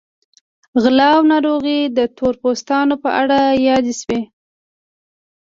غلا او ناروغۍ د تور پوستانو په اړه یادې شوې.